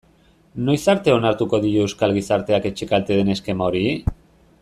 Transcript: Noiz arte onartuko dio euskal gizarteak etxekalte den eskema hori?